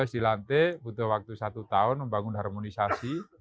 dua ribu enam belas di lantai butuh waktu satu tahun membangun harmonisasi